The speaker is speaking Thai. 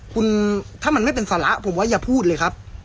คุณถ้ามันไม่เป็นสาระผมว่าอย่าพูดเลยครับ